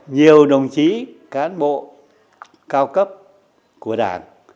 nhiều đồng chí cán bộ cao cấp của đảng